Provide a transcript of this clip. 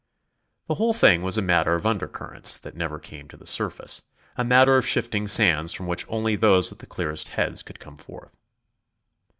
The whole thing was a matter of under currents that never came to the surface, a matter of shifting sands from which only those with the clearest heads could come forth.